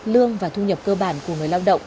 lương và thu nhập cơ bản của người lao động